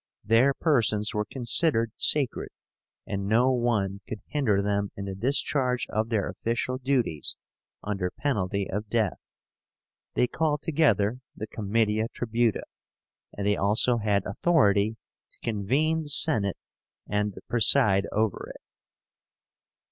Their persons were considered sacred, and no one could hinder them in the discharge of their official duties under penalty of death. They called together the Comitia Tribúta, and they also had authority to convene the Senate and to preside over it.